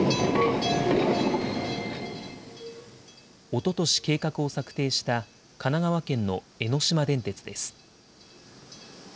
おととし計画を策定した神奈川県の江ノ島電鉄です。